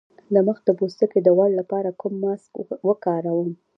د مخ د پوستکي د غوړ لپاره کوم ماسک وکاروم؟